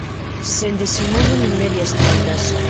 Sen disimulo nin medias tintas.